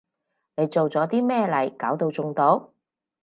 你做咗啲咩嚟搞到中毒？